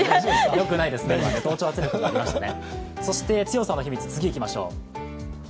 よくないですね、同調圧力が出ましたね。